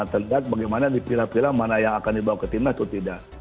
terlihat bagaimana dipilah pilah mana yang akan dibawa ke timnas atau tidak